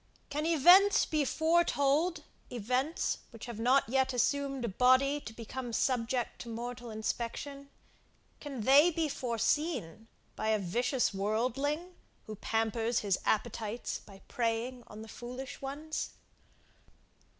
Can events be foretold, events which have not yet assumed a body to become subject to mortal inspection, can they be foreseen by a vicious worldling, who pampers his appetites by preying on the foolish ones?